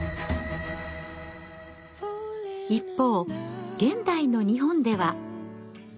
一方現代の日本では。